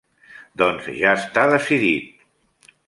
Doncs ja està decidit.